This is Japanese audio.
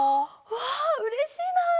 わあうれしいなあ！